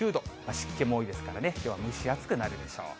湿気も多いですからね、きょうは蒸し暑くなるでしょう。